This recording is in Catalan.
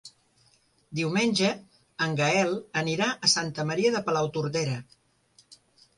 Diumenge en Gaël anirà a Santa Maria de Palautordera.